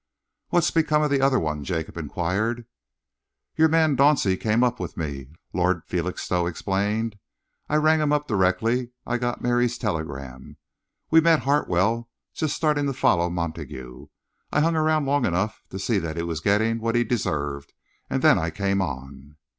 "What's become of the other one?" Jacob enquired. "Your man Dauncey came up with me," Lord Felixstowe explained. "I rang him up directly I got Mary's telegram. We met Hartwell just starting to follow Montague. I hung round long enough to see that he was getting what he deserved, and then I came on."